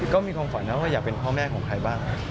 ก็มีความฝันนะว่าอยากเป็นพ่อแม่ของใครบ้าง